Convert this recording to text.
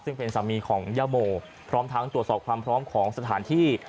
ซึ่งเป็นสามีของย่าโมพร้อมทั้งตรวจสอบความพร้อมของสถานที่